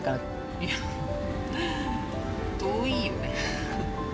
いや遠いよね？